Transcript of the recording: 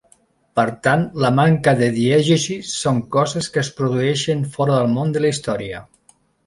Per tant, la manca de diegesi són coses que es produeixen fora del món de la història.